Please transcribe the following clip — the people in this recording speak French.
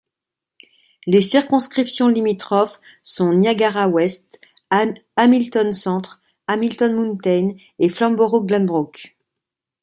Les circonscriptions limitrophes sont Niagara-Ouest, Hamilton-Centre, Hamilton Mountain et Flamborough—Glanbrook.